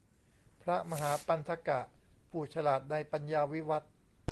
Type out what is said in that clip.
พระมหาปันถกะ ผู้ฉลาดในปัญญาวิวัฎ